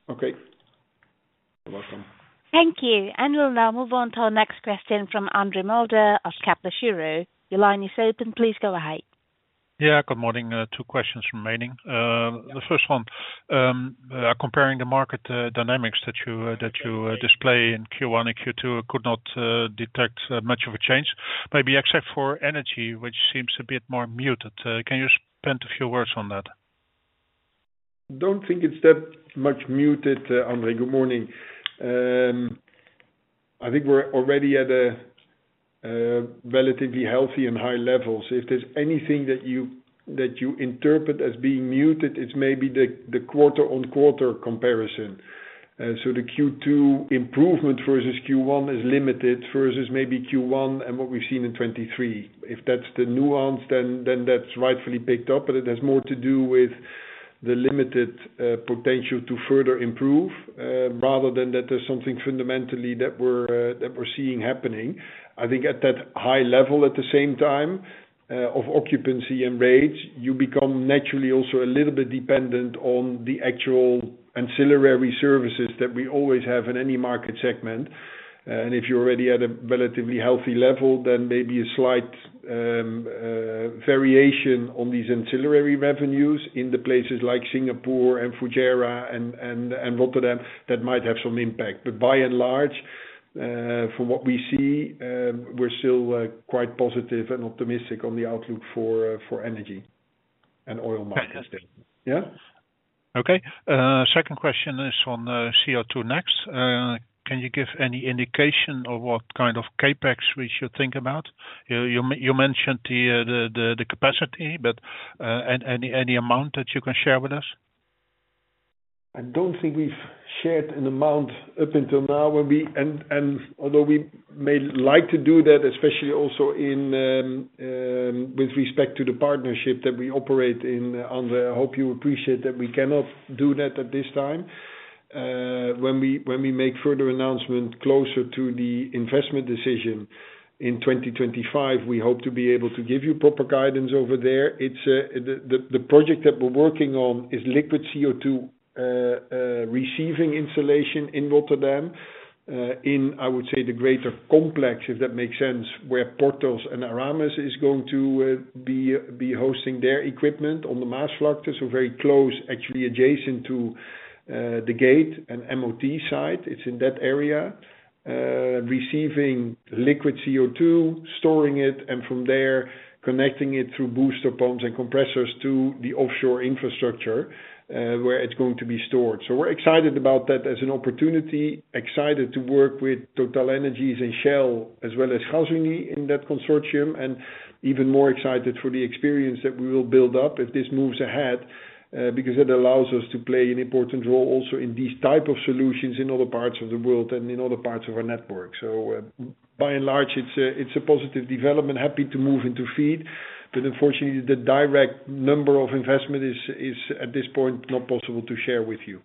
Okay. You're welcome. Thank you, and we'll now move on to our next question from André Mulder of Kepler Cheuvreux. Your line is open. Please go ahead. Yeah, good morning. Two questions remaining. Yeah.... the first one, comparing the market dynamics that you display in Q1 and Q2 could not detect much of a change, maybe except for energy, which seems a bit more muted. Can you spend a few words on that? Don't think it's that much muted, André. Good morning. I think we're already at a relatively healthy and high levels. If there's anything that you interpret as being muted, it's maybe the quarter-over-quarter comparison. So the Q2 improvement versus Q1 is limited, versus maybe Q1 and what we've seen in 2023. If that's the nuance, then that's rightfully picked up, but it has more to do with the limited potential to further improve, rather than that there's something fundamentally that we're seeing happening. I think at that high level, at the same time, of occupancy and rates, you become naturally also a little bit dependent on the actual ancillary services that we always have in any market segment. And if you're already at a relatively healthy level, then maybe a slight variation on these ancillary revenues in the places like Singapore and Fujairah and Rotterdam, that might have some impact. But by and large, from what we see, we're still quite positive and optimistic on the outlook for energy and oil markets. Fantastic. Yeah? Okay. Second question is on CO2next. Can you give any indication of what kind of CapEx we should think about? You mentioned the capacity, but any amount that you can share with us? I don't think we've shared an amount up until now. And although we may like to do that, especially also in with respect to the partnership that we operate in, André, I hope you appreciate that we cannot do that at this time. When we make further announcement closer to the investment decision in 2025, we hope to be able to give you proper guidance over there. It's the project that we're working on is liquid CO2 receiving installation in Rotterdam. In I would say the greater complex, if that makes sense, where Porthos and Aramis is going to be hosting their equipment on the Maasvlakte. So very close, actually adjacent to the Gate and MOT site. It's in that area, receiving liquid CO2, storing it, and from there, connecting it through booster pumps and compressors to the offshore infrastructure, where it's going to be stored. So we're excited about that as an opportunity, excited to work with TotalEnergies and Shell, as well as Gasunie in that consortium, and even more excited for the experience that we will build up if this moves ahead, because it allows us to play an important role also in these type of solutions in other parts of the world and in other parts of our network. So by and large, it's a, it's a positive development. Happy to move into feed, but unfortunately, the direct number of investment is, is at this point, not possible to share with you.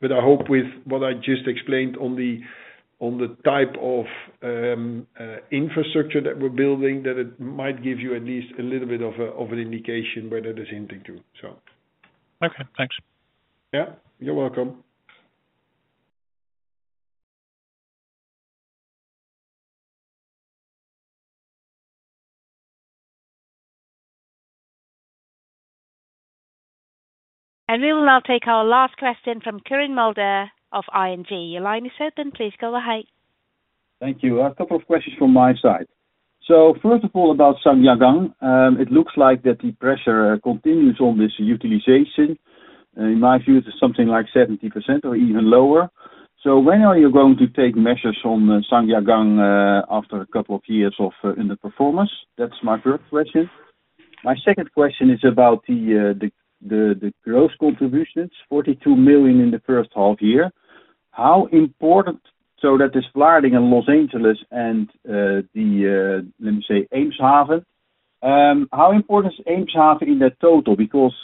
But I hope with what I just explained on the type of infrastructure that we're building, that it might give you at least a little bit of an indication where that is hinting to, so. Okay, thanks. Yeah, you're welcome. We will now take our last question from Quirijn Mulder of ING. Your line is open. Please go ahead. Thank you. A couple of questions from my side. So first of all, about Zhangjiagang. It looks like that the pressure continues on this utilization. In my view, it's something like 70% or even lower. So when are you going to take measures on Zhangjiagang after a couple of years of... in the performance? That's my first question. My second question is about the growth contributions, 42 million in the first half year. How important—so that is Vlaardingen and Los Angeles and, let me say, Eemshaven. How important is Eemshaven in that total? Because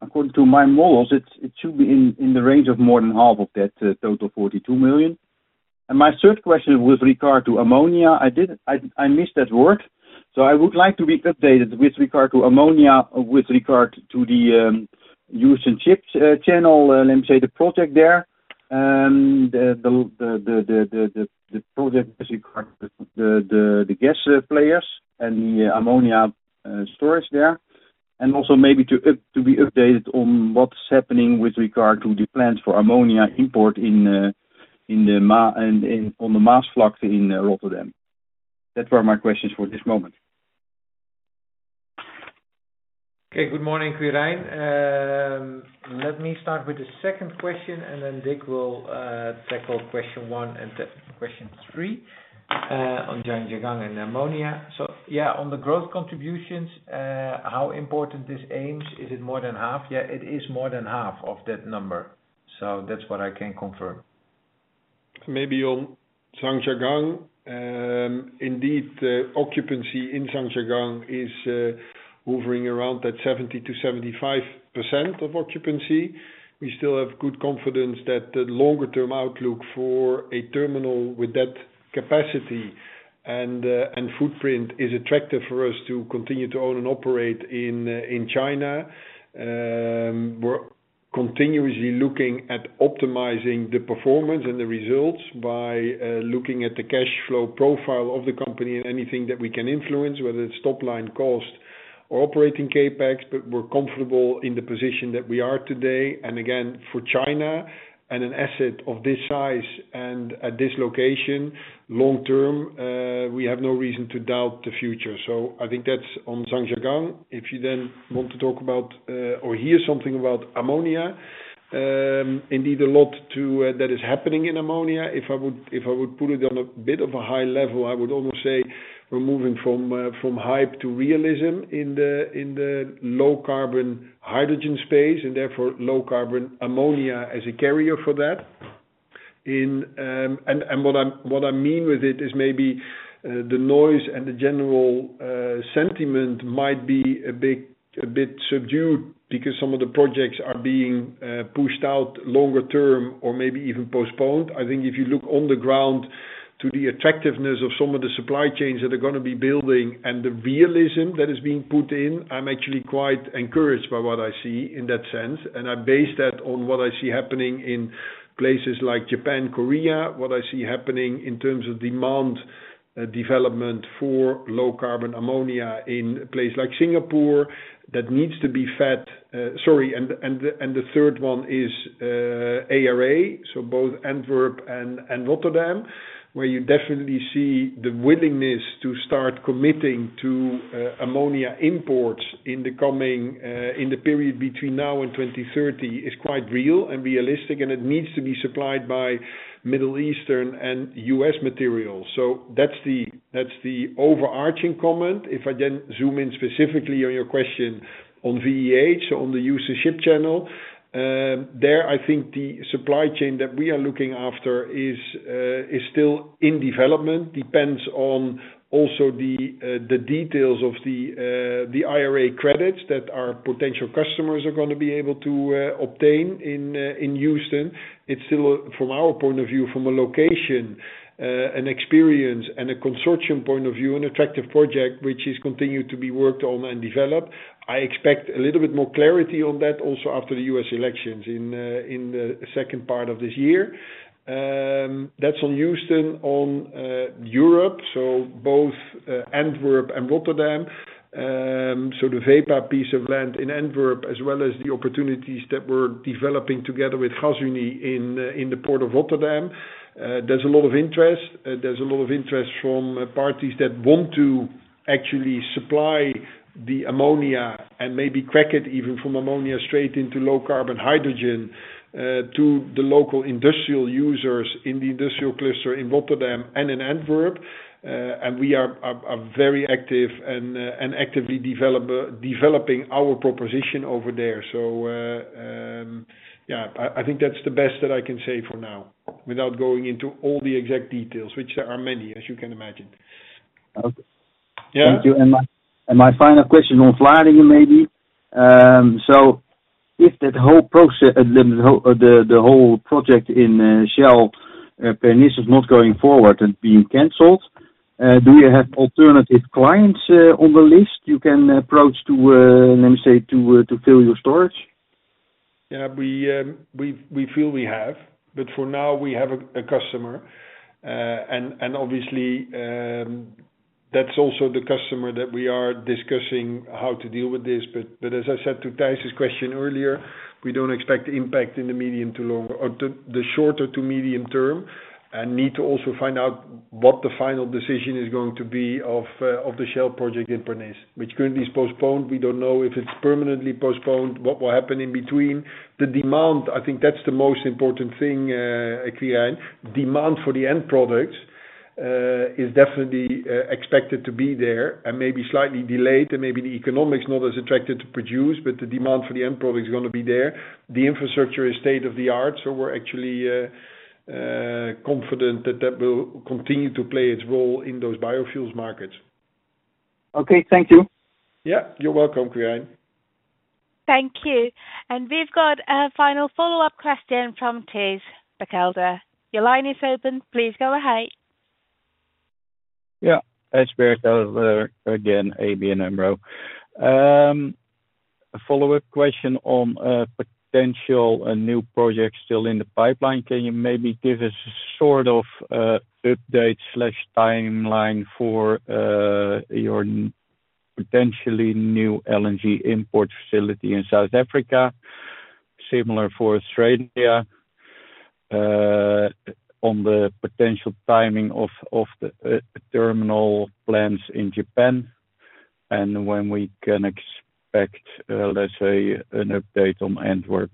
according to my models, it should be in the range of more than half of that total 42 million. And my third question with regard to ammonia. I didn't. I, I missed that word, so I would like to be updated with regard to ammonia, with regard to the Houston Ship Channel, let me say the project there. The project as regard the gas players and the ammonia storage there, and also maybe to be updated on what's happening with regard to the plans for ammonia import in the Maasvlakte in Rotterdam. That were my questions for this moment. Okay, good morning, Quirijn. Let me start with the second question, and then Dick will tackle question one and question three on Zhangjiagang and ammonia. So yeah, on the growth contributions, how important is Eems? Is it more than half? Yeah, it is more than half of that number, so that's what I can confirm. Maybe on Zhangjiagang. Indeed, the occupancy in Zhangjiagang is hovering around that 70%-75% of occupancy. We still have good confidence that the longer-term outlook for a terminal with that capacity and footprint is attractive for us to continue to own and operate in China. We're continuously looking at optimizing the performance and the results by looking at the cash flow profile of the company and anything that we can influence, whether it's top line cost or operating CapEx, but we're comfortable in the position that we are today. Again, for China and an asset of this size and at this location, long term, we have no reason to doubt the future. So I think that's on Zhangjiagang. If you then want to talk about or hear something about ammonia, indeed a lot, too, that is happening in ammonia. If I would put it on a bit of a high level, I would almost say we're moving from hype to realism in the low carbon hydrogen space, and therefore, low carbon ammonia as a carrier for that. What I mean with it is maybe the noise and the general sentiment might be a bit subdued because some of the projects are being pushed out longer term or maybe even postponed. I think if you look on the ground to the attractiveness of some of the supply chains that are gonna be building and the realism that is being put in, I'm actually quite encouraged by what I see in that sense. And I base that on what I see happening in places like Japan, Korea, what I see happening in terms of demand development for low carbon ammonia in a place like Singapore that needs to be fed, and the third one is ARA. So both Antwerp and Rotterdam, where you definitely see the willingness to start committing to ammonia imports in the coming period between now and 2030, is quite real and realistic, and it needs to be supplied by Middle Eastern and U.S. materials. So that's the overarching comment. If I then zoom in specifically on your question on VH, on the Houston Ship Channel, there, I think the supply chain that we are looking after is still in development, depends on also the details of the IRA credits that our potential customers are gonna be able to obtain in Houston. It's still, from our point of view, from a location, an experience, and a consortium point of view, an attractive project, which is continued to be worked on and developed. I expect a little bit more clarity on that also after the U.S. elections in the second part of this year. That's on Houston, on Europe, so both Antwerp and Rotterdam. So the Vopak piece of land in Antwerp, as well as the opportunities that we're developing together with Gasunie in the port of Rotterdam, there's a lot of interest. There's a lot of interest from parties that want to actually supply the ammonia and maybe crack it even from ammonia straight into low carbon hydrogen to the local industrial users in the industrial cluster in Rotterdam and in Antwerp. And we are very active and actively developing our proposition over there. So, yeah, I think that's the best that I can say for now, without going into all the exact details, which there are many, as you can imagine. Okay. Yeah. Thank you. My final question on Vlaardingen, maybe. If that whole project in Shell Pernis is not going forward and being canceled, do you have alternative clients on the list you can approach to let me say, to fill your storage? Yeah, we feel we have, but for now we have a customer. And obviously, that's also the customer that we are discussing how to deal with this, but as I said to Thijs's question earlier, we don't expect impact in the medium to long, or the shorter to medium term, and need to also find out what the final decision is going to be of the Shell project in Pernis, which currently is postponed. We don't know if it's permanently postponed, what will happen in between. The demand, I think that's the most important thing, Quirijn, demand for the end product is definitely expected to be there and maybe slightly delayed, and maybe the economics not as attractive to produce, but the demand for the end product is gonna be there. The infrastructure is state-of-the-art, so we're actually confident that that will continue to play its role in those biofuels markets. Okay, thank you. Yeah, you're welcome, Quirijn. Thank you. We've got a final follow-up question from Thijs Berkelder. Your line is open, please go ahead. Yeah, it's Berkelder again, ABN AMRO. A follow-up question on potential and new projects still in the pipeline. Can you maybe give us sort of an update, timeline for your potentially new LNG import facility in South Africa? Similar for Australia, on the potential timing of the terminal plans in Japan, and when we can expect, let's say, an update on Antwerp.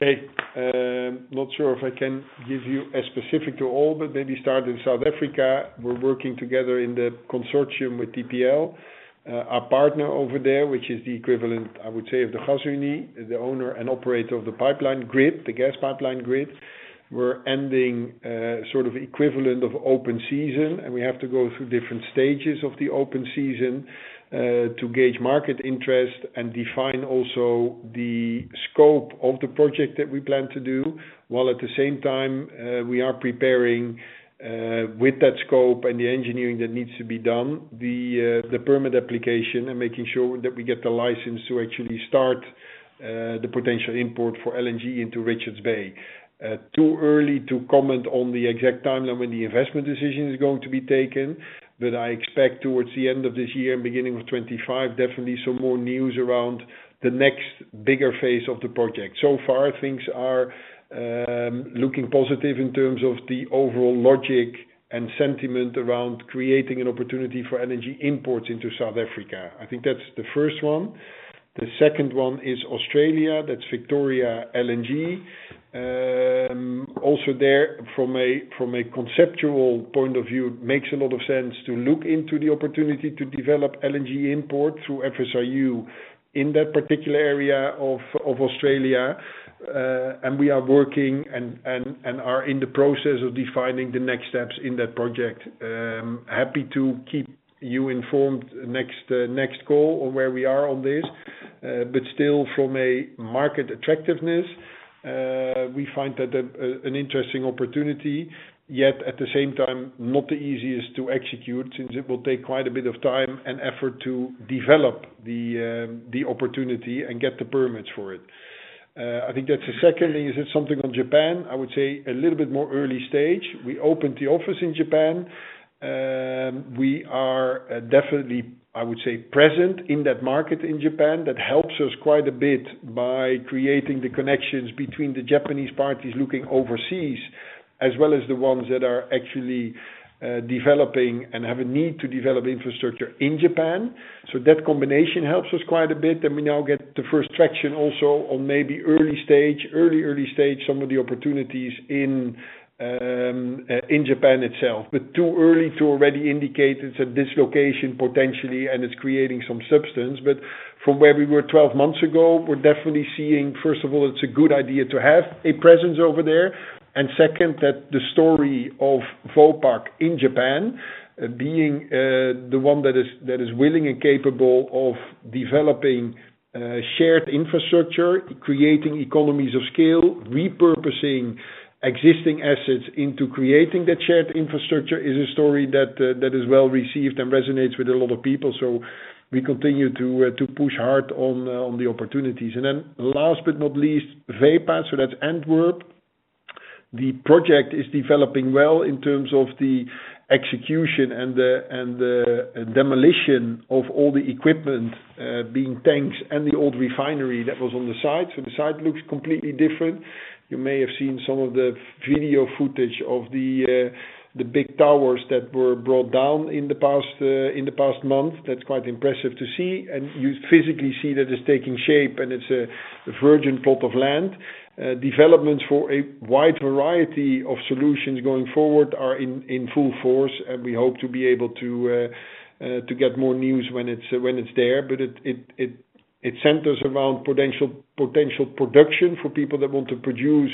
Okay. Not sure if I can give you a specific to all, but maybe start in South Africa. We're working together in the consortium with TPL, our partner over there, which is the equivalent, I would say, of the Gasunie, the owner and operator of the pipeline grid, the gas pipeline grid. We're ending, sort of equivalent of open season, and we have to go through different stages of the open season, to gauge market interest and define also the scope of the project that we plan to do, while at the same time, we are preparing, with that scope and the engineering that needs to be done, the permit application and making sure that we get the license to actually start, the potential import for LNG into Richards Bay. Too early to comment on the exact timeline when the investment decision is going to be taken, but I expect towards the end of this year and beginning of 2025, definitely some more news around the next bigger phase of the project. So far, things are looking positive in terms of the overall logic and sentiment around creating an opportunity for LNG imports into South Africa. I think that's the first one. The second one is Australia, that's Victoria LNG. Also there, from a conceptual point of view, makes a lot of sense to look into the opportunity to develop LNG import through FSRU in that particular area of Australia. And we are working and are in the process of defining the next steps in that project. Happy to keep you informed next call on where we are on this. But still, from a market attractiveness, we find that an interesting opportunity, yet at the same time, not the easiest to execute, since it will take quite a bit of time and effort to develop the opportunity and get the permits for it. I think that's the second thing, is it something on Japan? I would say a little bit more early stage. We opened the office in Japan. We are definitely, I would say, present in that market in Japan. That helps us quite a bit by creating the connections between the Japanese parties looking overseas, as well as the ones that are actually developing and have a need to develop infrastructure in Japan. So that combination helps us quite a bit, and we now get the first traction also on maybe early stage, early, early stage, some of the opportunities in Japan itself. But too early to already indicate it's a dislocation, potentially, and it's creating some substance. But from where we were 12 months ago, we're definitely seeing, first of all, it's a good idea to have a presence over there. And second, that the story of Vopak in Japan, being the one that is, that is willing and capable of developing shared infrastructure, creating economies of scale, repurposing existing assets into creating that shared infrastructure, is a story that is well-received and resonates with a lot of people. So we continue to push hard on the opportunities. And then last but not least, Vopak, so that's Antwerp. The project is developing well in terms of the execution and the demolition of all the equipment, being tanks and the old refinery that was on the site, so the site looks completely different. You may have seen some of the video footage of the big towers that were brought down in the past month. That's quite impressive to see, and you physically see that it's taking shape, and it's a virgin plot of land. Developments for a wide variety of solutions going forward are in full force, and we hope to be able to get more news when it's there. But it centers around potential production for people that want to produce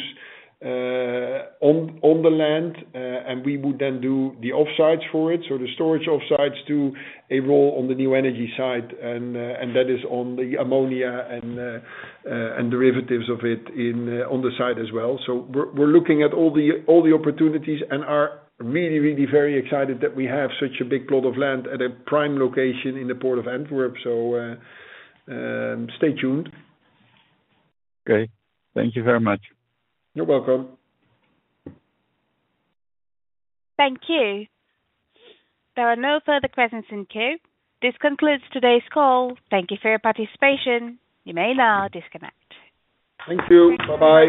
on the land, and we would then do the offsites for it, so the storage offsites do a role on the new energy side. And that is on the ammonia and derivatives of it on the side as well. So we're looking at all the opportunities and are really, really very excited that we have such a big plot of land at a prime location in the Port of Antwerp. So, stay tuned. Okay. Thank you very much. You're welcome. Thank you. There are no further questions in queue. This concludes today's call. Thank you for your participation. You may now disconnect. Thank you. Bye-bye.